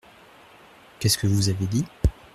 Qu’est-ce que vous avez dit ?